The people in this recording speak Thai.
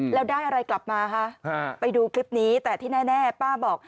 แล้วได้อะไรกลับมาคะไปดูคลิปนี้แต่ที่แน่ป้าบอก